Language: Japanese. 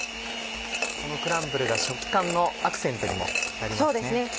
このクランブルが食感のアクセントにもなりますね。